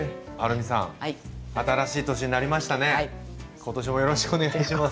今年もよろしくお願いします。